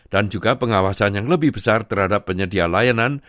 dan juga pengawasan yang lebih besar terhadap penyedia layanan